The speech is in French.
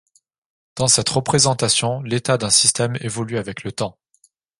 Dans cette représentation, l'état d'un système évolue avec le temps.